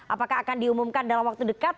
apakah akan diumumkan dalam waktu dekat